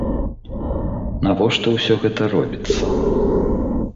Навошта ўсё гэта робіцца?